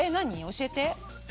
教えて。